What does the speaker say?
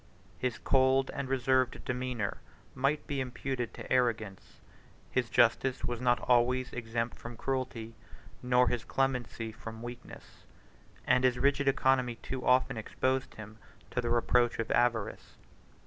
His cold and reserved demeanor might be imputed to arrogance; his justice was not always exempt from cruelty, nor his clemency from weakness; and his rigid economy too often exposed him to the reproach of avarice.